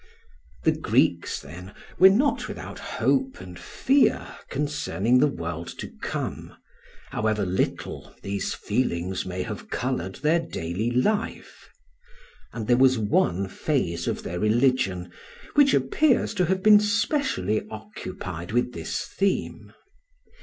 The Greeks, then, were not without hope and fear concerning the world to come, however little these feelings may have coloured their daily life; and there was one phase of their religion, which appears to have been specially occupied with this theme.